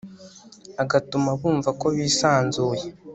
agatuma bumva ko bisanzuye